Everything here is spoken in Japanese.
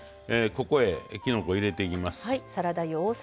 ここへ、きのこを入れていきます。